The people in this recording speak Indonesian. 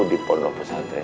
di pondok pesantren ini